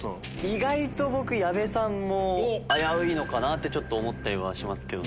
意外と矢部さんも危ういのかなって思ったりします。